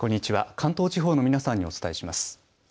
関東地方の皆さんにお伝えします。